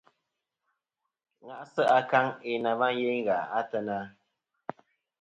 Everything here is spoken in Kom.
Ŋa'sɨ akaŋ yeyn na va yeyn gha a teyna.